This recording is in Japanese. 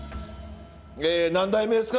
え何代目ですか？